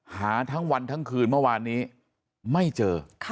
หาทั้งวันทั้งคืนเมื่อวานนี้ไม่เจอ